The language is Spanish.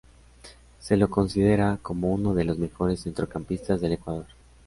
Se lo considera como uno de los mejores centrocampistas del Ecuador.